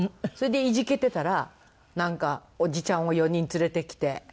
それでいじけてたらなんかおじちゃんを４人連れてきて。